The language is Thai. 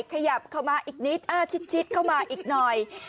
ขยับเข้ามาอีกนิดชิดเข้ามาอีกหน่อย